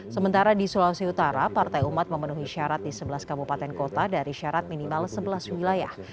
sementara di sulawesi utara partai umat memenuhi syarat di sebelas kabupaten kota dari syarat minimal sebelas wilayah